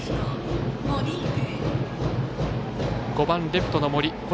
５番レフトの森。